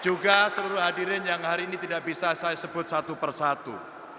juga seluruh hadirin yang hari ini tidak bisa saya sebut satu persatu